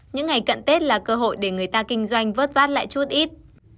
những ngày cận tết là cơ hội để người ta kinh doanh vớt vát lại chút ít